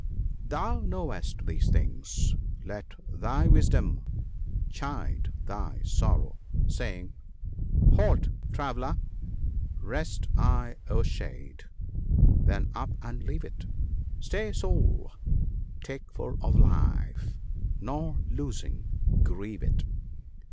PEACE. 137 Thoti knowest these things, let thy wisdom chide thy sorrow, saying —" Halt, traveller ! rest i* the shade : then up and leave it ! Stay, Soul ! take fill of life ; nor losing, grieve it